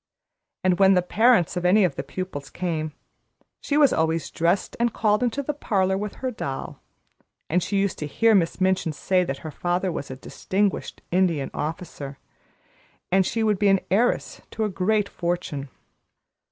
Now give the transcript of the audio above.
And when the parents of any of the pupils came, she was always dressed and called into the parlor with her doll; and she used to hear Miss Minchin say that her father was a distinguished Indian officer, and she would be heiress to a great fortune.